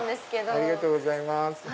ありがとうございます。